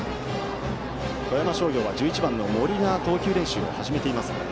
富山商業は１１番の森が投球練習を始めています。